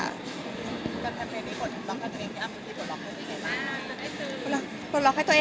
แต่แฟนมักคณะนี้กดล็อกให้ตัวเองนี่อ้ามมันที่กดล็อกให้ตัวเองไหม